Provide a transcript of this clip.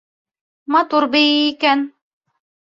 Матур бейей икән.